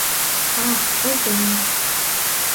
А, ось де воно!